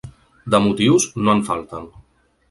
De motius, no en falten.